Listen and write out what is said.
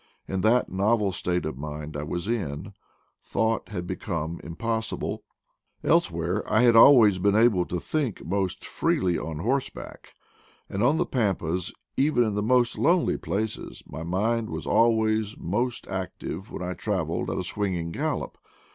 In that novel state of mind I was in, thought had become impossible. Else where I had always been able to think most freely on horseback; and on the pampas, even in the most lonely places, my mind was ialways most ac tive when I traveled at a swinging gallop.